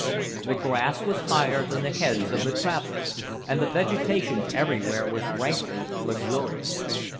The grass was higher than the heads of the travellers, and the vegetation everywhere was rankly luxuriant.